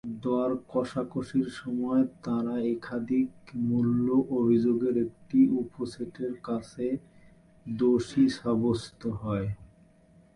দরকষাকষির সময় তারা একাধিক মূল অভিযোগের একটি উপসেটের কাছে দোষী সাব্যস্ত হয়।